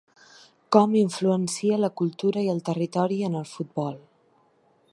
Com influència la cultura i el territori en el futbol.